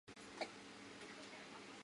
玫瑰琵鹭会在丛林或树上筑巢。